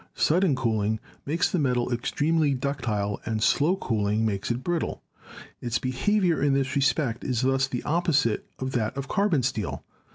Sudden cooling makes the metal extremely ductile and slow cooling makes it brittle ; its behavior in this respect is thus the opposite of that of carbon steel.